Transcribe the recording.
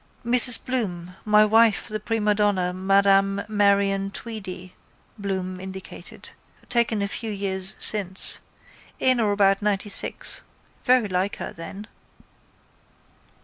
—Mrs Bloom, my wife the prima donna Madam Marion Tweedy, Bloom indicated. Taken a few years since. In or about ninety six. Very like her then.